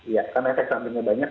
iya karena efek sampingnya banyak